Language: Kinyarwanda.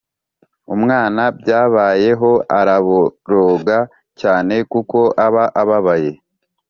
Umwana byabayeho araboroga cyane kuko aba ababaye